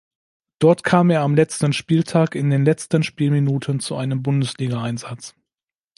Dort kam er am letzten Spieltag in den letzten Spielminuten zu einem Bundesligaeinsatz.